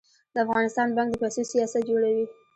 د افغانستان بانک د پیسو سیاست جوړوي